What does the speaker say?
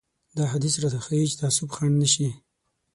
دا حديث راته ښيي چې تعصب خنډ نه شي.